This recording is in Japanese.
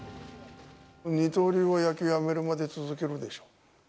二刀流は野球辞めるまで続けるでしょ。